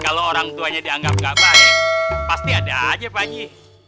kalau orang tuanya dianggap enggak baik pasti ada aja pak ji